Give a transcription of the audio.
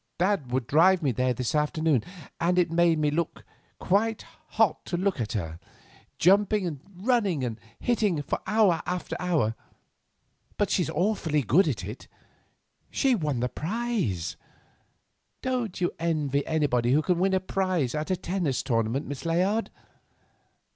Dad would drive me there this afternoon, and it made me quite hot to look at her, jumping and running and hitting for hour after hour. But she's awfully good at it; she won the prize. Don't you envy anybody who can win a prize at a tennis tournament, Miss Layard?"